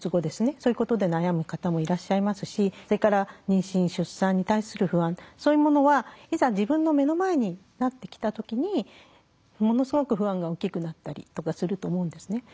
そういうことで悩む方もいらっしゃいますしそれから妊娠出産に対する不安そういうものはいざ自分の目の前になってきた時にものすごく不安が大きくなったりとかすると思うんですね。